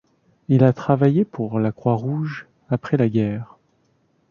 Il a travaillé pour la Croix-Rouge après la Guerre.